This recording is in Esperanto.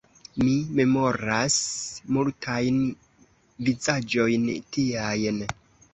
Mi memoras multajn vizaĝojn tiajn.